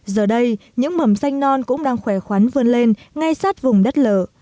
giờ đây những mầm xanh non cũng đang khỏe khoắn vươn lên ngay sát vùng đất lở